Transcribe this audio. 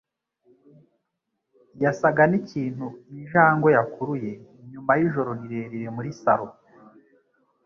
yasaga nkikintu injangwe yakuruye nyuma yijoro rirerire muri salo